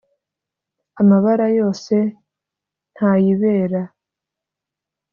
amabara yose ntayibera